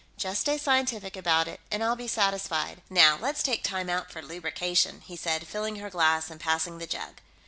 Just stay scientific about it and I'll be satisfied. Now, let's take time out for lubrication," he said, filling her glass and passing the jug.